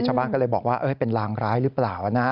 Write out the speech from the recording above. ชาวบ้านก็เลยบอกว่าเป็นรางร้ายหรือเปล่านะ